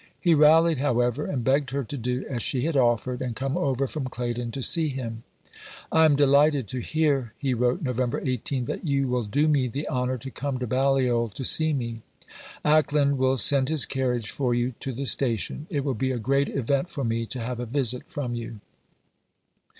He rallied, however, and begged her to do as she had offered, and come over from Claydon to see him. "I am delighted to hear," he wrote (Nov. 18), "that you will do me the honour to come to Balliol to see me. Acland will send his carriage for you to the station. It will be a great event for me to have a visit from you."